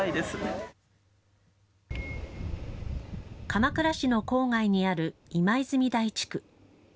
鎌倉市の郊外にある今泉台地区。